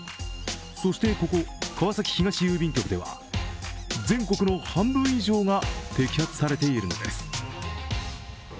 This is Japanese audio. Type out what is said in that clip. そしてここ、川崎東郵便局では全国の半分以上が摘発されているのです。